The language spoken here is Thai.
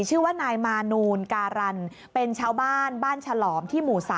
ชื่อว่านายมานูลการันเป็นชาวบ้านบ้านฉลอมที่หมู่๓